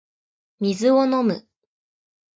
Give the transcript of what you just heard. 水を飲む